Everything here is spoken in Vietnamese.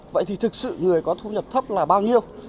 vậy thì thực sự người có thu nhập thấp là bao nhiêu